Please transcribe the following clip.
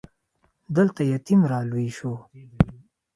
دلته يتيم را لوی شو.